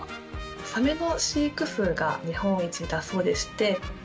サメの飼育数が日本一だそうでして。